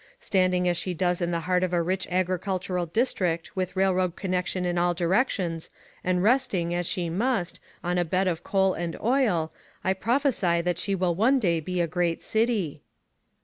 Standing as she does in the heart of a rich agricultural district with railroad connection in all directions, and resting, as she must, on a bed of coal and oil, I prophesy that she will one day be a great city."